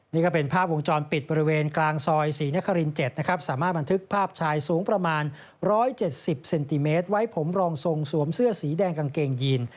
นี่ก็เป็นภาพวงจรปิดบริเวณกลางซอยศรีนคริน๗นะครับสามารถบันทึกภาพชายสูงประมาณ๑๗๐เซนติเมตรไว้ผมรองทรงสวมเสื้อสีแดงกางเกงยีน